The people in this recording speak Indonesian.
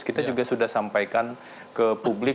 kita juga sudah sampaikan ke publik